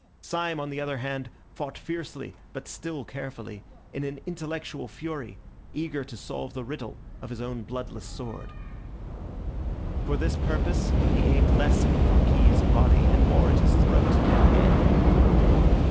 Syme, on the other hand, fought fiercely but still carefully, in an intellectual fury, eager to solve the riddle of his own bloodless sword. For this purpose, he aimed less at the Marquis's body, and more at his throat and head.